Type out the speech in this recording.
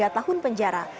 tiga tahun lalu